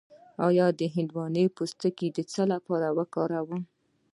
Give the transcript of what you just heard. د هندواڼې پوستکی د څه لپاره وکاروم؟